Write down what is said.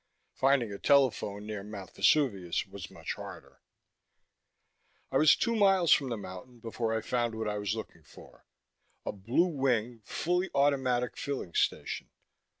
Finding a telephone near Mount Vesuvius was much harder. I was two miles from the mountain before I found what I was looking for a Blue Wing fully automatic filling station.